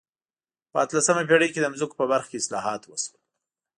په اتلسمه پېړۍ کې د ځمکو په برخه کې اصلاحات وشول.